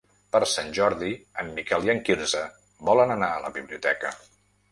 Per Sant Jordi en Miquel i en Quirze volen anar a la biblioteca.